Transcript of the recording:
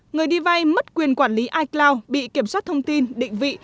người đi vay mất quyền quản lý icloud bị kiểm soát thông tin định vị